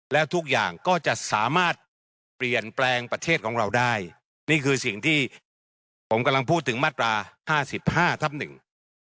แล้วทุกอย่างก็จะสามารถเปลี่ยนแปลงประเทศของเราได้นี่คือสิ่งที่ผมกำลังพูดถึงมาตราห้าสิบห้าทับหนึ่ง